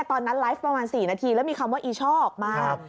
ตอนนั้นไลฟ์ประมาณ๔นาทีแล้วมีคำว่าอีช่อออกมา